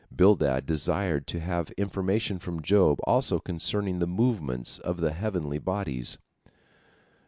Bildad desired to have information from Job also concerning the movements of the heavenly bodies.